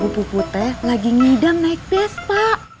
bu pupu teh lagi ngidang naik vespa